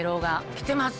きてます。